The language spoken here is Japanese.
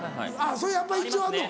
それやっぱ一応あんの。